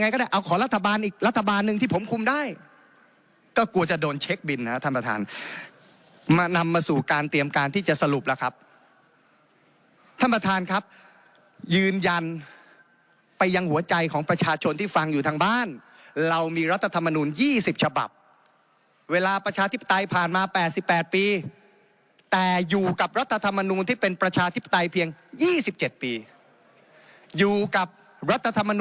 ก็กลัวจะโดนเช็คบินนะฮะท่านประธานมานำมาสู่การเตรียมการที่จะสรุปล่ะครับท่านประธานครับยืนยันไปยังหัวใจของประชาชนที่ฟังอยู่ทางบ้านเรามีรัฐธรรมนุนยี่สิบฉบับเวลาประชาธิปไตยผ่านมาแปดสิบแปดปีแต่อยู่กับรัฐธรรมนุนที่เป็นประชาธิปไตยเพียงยี่สิบเจ็ดปีอยู่กับรัฐ